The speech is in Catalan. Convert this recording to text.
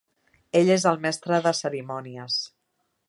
Ell és el mestre de cerimònies.